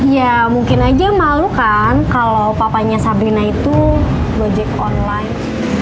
ya mungkin aja malu kan kalau papanya sabrina itu gojek online